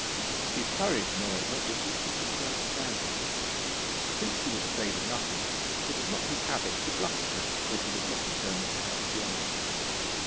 His courage, moreover, was equal to his understanding. Since he was afraid of nothing, it was not his habit to bluster when he was not determined to have his way.